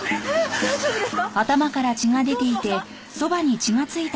大丈夫ですか？